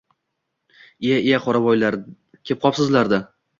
Iye-iye, qoravoylar, kep qopsizlar-da!